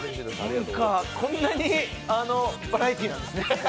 こんなにバラエティーなんですね。